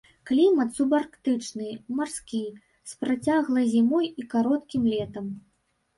Клімат субарктычны, марскі, з працяглай зімой і кароткім летам.